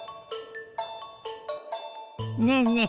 ねえねえ